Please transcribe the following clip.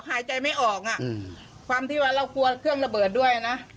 หายใจไม่ออกอ่ะความที่ว่าเรากลัวเครื่องระเบิดด้วยนะ